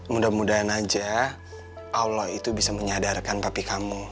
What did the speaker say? mudah mudahan aja allah itu bisa menyadarkan bapi kamu